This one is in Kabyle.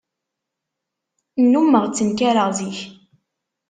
Nnummeɣ ttenkareɣ zik.